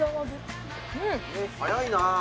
早いな。